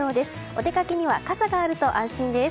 お出かけには傘があると安心です。